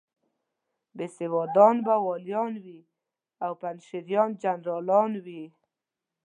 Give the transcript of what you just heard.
بېسوادان به والیان وي او پنجشیریان جنرالان وي.